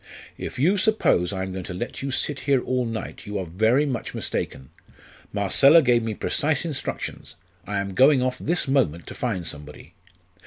"If you suppose I am going to let you sit here all night, you are very much mistaken. Marcella gave me precise instructions. I am going off this moment to find somebody."